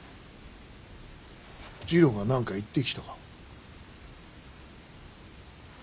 次郎が何か言ってきたか。